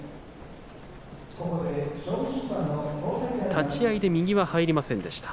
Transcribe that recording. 立ち合いで右は入りませんでした。